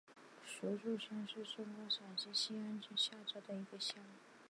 竹峪乡是中国陕西省西安市周至县下辖的一个乡。